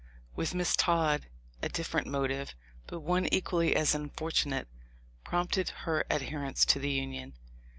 With Miss Todd a different motive, but one equally as unfortunate, prompted her adherence to the union.